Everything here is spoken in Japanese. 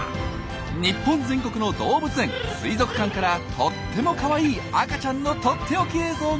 日本全国の動物園・水族館からとってもかわいい赤ちゃんのとっておき映像が届きました。